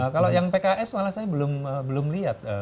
kalau yang pks malah saya belum lihat